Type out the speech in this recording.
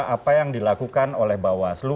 apa yang dilakukan oleh bawaslu